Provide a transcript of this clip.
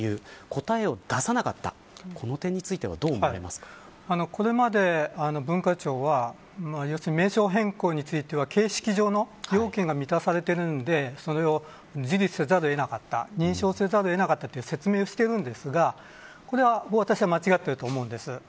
答えを出さなかったこの点についてはこれまで文化庁は名称変更については形式上の要件が満たされているので受理せざるを得なかった認証せざるを得なかったという説明をしてるんですがこれは私は間違っていると思います。